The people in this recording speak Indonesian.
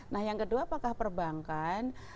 nah yang kedua apakah perbankan